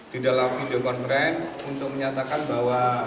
di dalam video conference untuk menyatakan bahwa